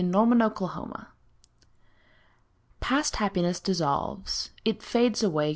Warren TO A DOG Past happiness dissolves. It fades away.